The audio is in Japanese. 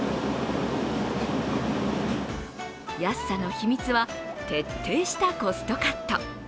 安さの秘密は徹底したコストカット。